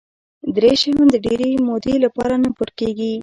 دری شیان د ډېرې مودې لپاره نه پټ کېږي.